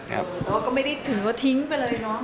แต่ว่าก็ไม่ได้ถือว่าทิ้งไปเลยเนาะ